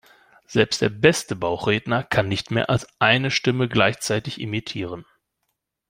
Selbst der beste Bauchredner kann nicht mehr als eine Stimme gleichzeitig imitieren.